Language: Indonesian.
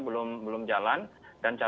bahwa barhamsala dilwynterga